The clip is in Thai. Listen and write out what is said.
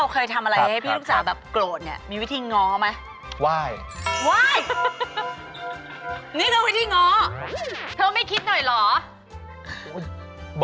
คือว่ายไปแหละว่ายไปแหละ